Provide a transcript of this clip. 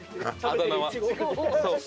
あだ名は。